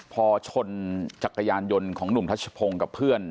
พอชนจักรยานยนต์ของหนุ่มทัชพงศ์กับเพื่อน